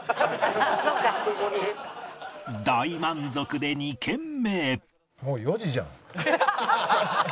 大満足で２軒目へ